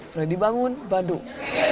freddy bangun bandung